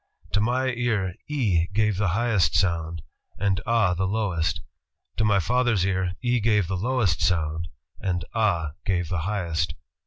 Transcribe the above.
... To my ear 'E' gave the highest soimd and 'Ah' the lowest; to my father's ear 'E' gave the lowest sound and 'Ah' gave the highest.